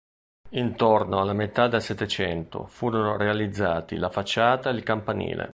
Intorno alla metà del Settecento furono realizzati la facciata e il campanile.